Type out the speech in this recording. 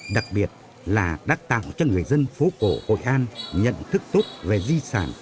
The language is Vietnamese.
đặc biệt là đã tạo cho người dân phố cổ hội an nhận thức tốt về di sản